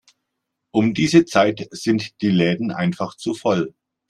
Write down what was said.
Um diese Zeit sind die Läden einfach zu voll.